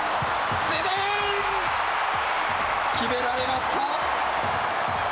決められました。